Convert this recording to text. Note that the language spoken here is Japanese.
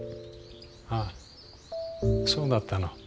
あそうだったの。